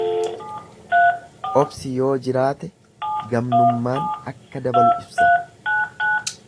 Obsi yoojiraate gamnummaan akka dabalu ibsa.